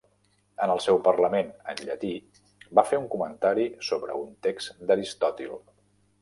En el seu parlament en llatí va fer un comentari sobre un text d'Aristòtil.